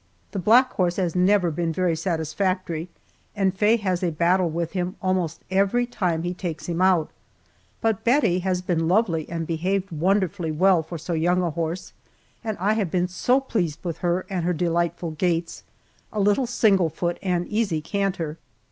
The black horse has never been very satisfactory, and Faye has a battle with him almost every time he takes him out, but Bettie had been lovely and behaved wonderfully well for so young a horse, and I have been so pleased with her and her delightful gaits a little single foot and easy canter.